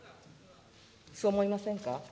そう思いませんか。